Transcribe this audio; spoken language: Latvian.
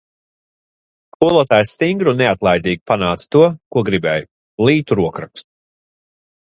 Skoltājs stingri un neatlaidīgi panāca to, ko gribēja - glītu rokrakstu.